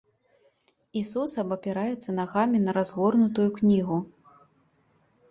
Ісус абапіраецца нагамі на разгорнутую кнігу.